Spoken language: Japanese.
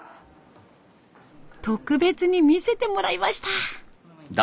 特別に見せてもらいました。